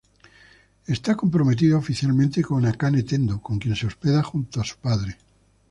Está comprometido oficialmente con Akane Tendo, con quien se hospeda junto a su padre.